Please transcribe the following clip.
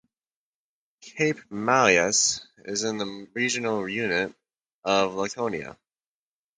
Cape Maleas is in the regional unit of Laconia.